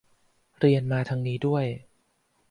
เรียนมาทางนี้ด้วย